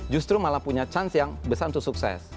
justru malah punya chance yang besar untuk sukses